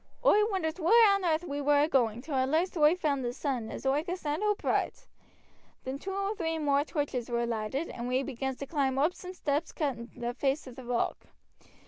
Oi wonders whar on aarth we war agoing, till at last oi found sudden as oi could stand oopright. Then two or three more torches war lighted, and we begins to climb oop some steps cut i' the face of t' rock.